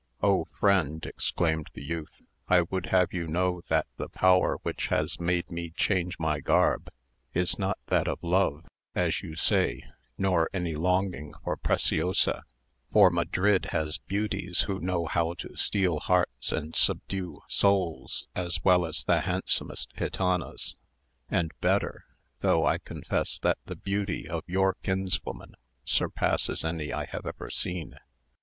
"O friend," exclaimed the youth, "I would have you know that the power which has made me change my garb is not that of love, as you say, nor any longing for Preciosa; for Madrid has beauties who know how to steal hearts and subdue souls as well as the handsomest gitanas, and better; though I confess that the beauty of your kinswoman surpasses any I have ever seen.